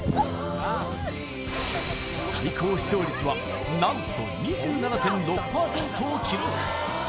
あっ最高視聴率は何と２７．６％を記録